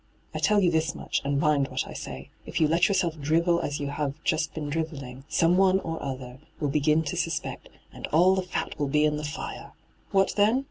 I tell you this much, and mind what I say : If you let yourself drivel as you have just been drivelling, someone or another will begin to suspect, and all the fat will be in the fire I What then